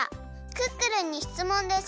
「クックルンにしつもんです。